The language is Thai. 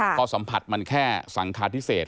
เพราะสัมผัสมันแค่สังฆาทิเศษ